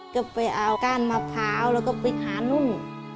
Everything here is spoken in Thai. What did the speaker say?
ก็ไปเอาก้านมะพร้าวแล้วก็ไปหานุ่ม